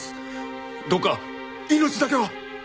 どうか命だけは！